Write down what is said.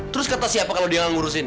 terus kata siapa kalo dia gak ngurusin